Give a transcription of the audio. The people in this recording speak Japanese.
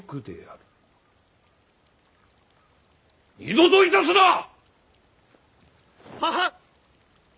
二度といたすな！ははっ！